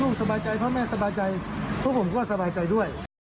สบายใจเพราะแม่สบายใจพวกผมก็สบายใจด้วย